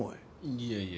いやいや。